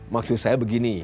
maksud saya begini